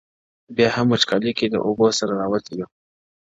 بيا هم وچكالۍ كي له اوبو سره راوتـي يـو’